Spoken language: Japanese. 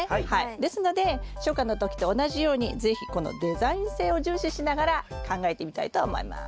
ですので初夏の時と同じように是非このデザイン性を重視しながら考えてみたいと思います。